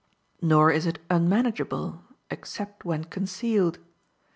Nor is it unmanageable, except when concealed.